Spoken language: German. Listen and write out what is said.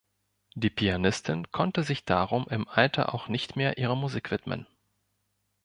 Die Pianistin konnte sich darum im Alter auch nicht mehr ihrer Musik widmen.